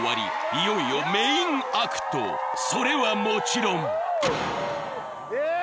いよいよメインアクトそれはもちろん！え！